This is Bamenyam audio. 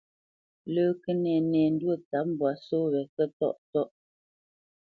Lə́ Kənɛnɛndwó tsâp mbwǎ só wě Kətɔ́ʼtɔ́ʼ.